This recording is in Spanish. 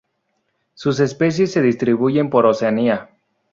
Sus especies se distribuyen por Oceanía.